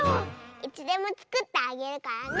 いつでもつくってあげるからね！